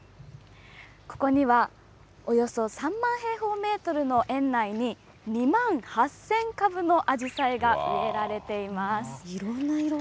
ここにはおよそ３万平方メートルの園内に２万８０００株のアジサいろんな色。